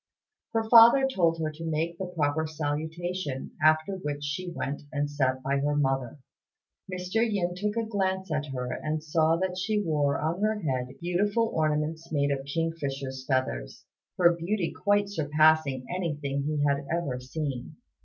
Her father told her to make the proper salutation, after which she went and sat by her mother. Mr. Yin took a glance at her, and saw that she wore on her head beautiful ornaments made of kingfisher's feathers, her beauty quite surpassing anything he had ever seen.